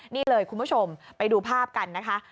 นี่เลยคุณผู้ชมไปดูภาพกันนะคะ